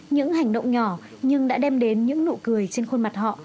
những hành động nhỏ nhưng đã đem đến những nụ cười trên khuôn mặt họ